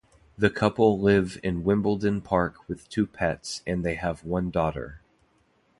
The couple live in Wimbledon Park with two pets and they have one daughter.